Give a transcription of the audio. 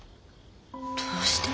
どうして？